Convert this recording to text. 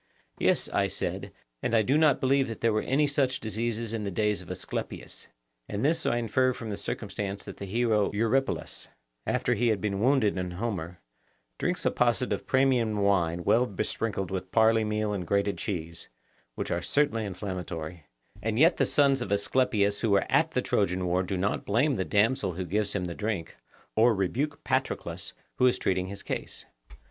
Yes, I said, and I do not believe that there were any such diseases in the days of Asclepius; and this I infer from the circumstance that the hero Eurypylus, after he has been wounded in Homer, drinks a posset of Pramnian wine well besprinkled with barley meal and grated cheese, which are certainly inflammatory, and yet the sons of Asclepius who were at the Trojan war do not blame the damsel who gives him the drink, or rebuke Patroclus, who is treating his case.